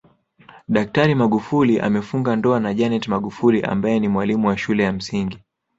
Daktari Magufuli amefunga ndoa na Janeth magufuli ambaye ni mwalimu wa shule ya msingi